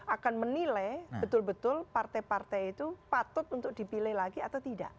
akan menilai betul betul partai partai itu patut untuk dipilih lagi atau tidak